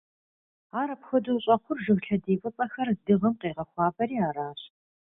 Ар апхуэдэу щӀэхъур, жыг лъэдий фӀыцӀэхэр дыгъэм къегъэхуабэри аращ.